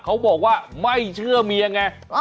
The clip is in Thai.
เขาบอกว่าไม่เชื่อเมียไง